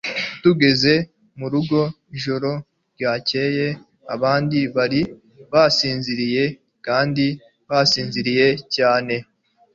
Tugeze murugo ijoro ryakeye, abandi bari basinziriye kandi basinziriye cyane.